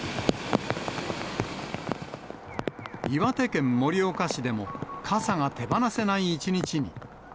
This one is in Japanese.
岩手県盛岡市でも、傘が手放せない一日に。